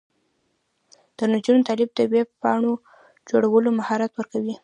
د نجونو تعلیم د ویب پاڼو جوړولو مهارت ورکوي.